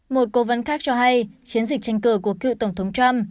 một cố vấn khác cho hay chiến dịch tranh cử của cựu tổng thống trump